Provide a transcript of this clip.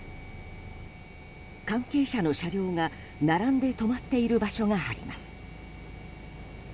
関係者の車両が、並んで止まっている場所があります。